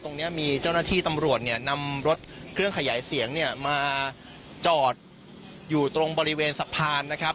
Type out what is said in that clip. ตรงนี้มีเจ้าหน้าที่ตำรวจเนี่ยนำรถเครื่องขยายเสียงเนี่ยมาจอดอยู่ตรงบริเวณสะพานนะครับ